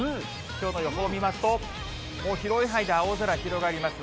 きょうの予報を見ますと、もう広い範囲で青空広がります。